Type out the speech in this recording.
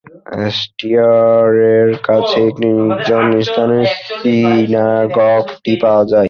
অ্যাস্টোরিয়ার কাছে একটি নির্জন স্থানে সিনাগগটি পাওয়া যায়।